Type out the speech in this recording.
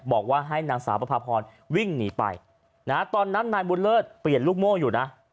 บอกว่าให้นางสาวประพาพรวิ่งหนีไปนะฮะตอนนั้นนายบุญเลิศเปลี่ยนลูกโม่อยู่นะ